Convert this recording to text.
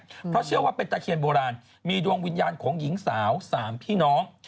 เพราะเชื่อว่าเป็นตะเคียนโบราณมีดวงวิญญาณของหญิงสาวสามพี่น้อง